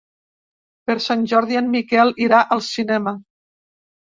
Per Sant Jordi en Miquel irà al cinema.